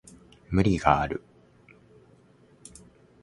無理がある